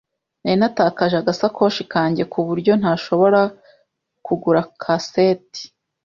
Nari natakaje agasakoshi kanjye, ku buryo ntashobora kugura kaseti.